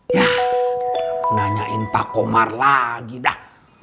ya nanyain pak komar lagi dah